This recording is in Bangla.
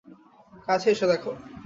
কাছে এসে দেখ!